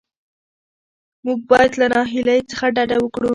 موږ باید له ناهیلۍ څخه ډډه وکړو.